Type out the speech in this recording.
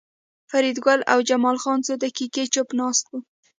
فریدګل او جمال خان څو دقیقې چوپ ناست وو